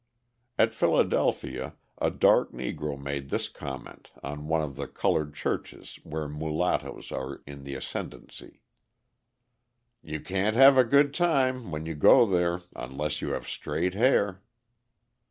At Philadelphia a dark Negro made this comment on one of the coloured churches where mulattoes are in the ascendancy: "You can't have a good time when you go there unless you have straight hair."